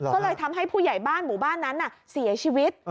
ก็เลยทำให้ผู้ใหญ่บ้านหมู่บ้านนั้นเสียชีวิต